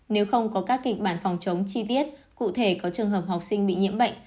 nếu không có các kịch bản phòng chống chi tiết cụ thể có trường hợp học sinh bị nhiễm bệnh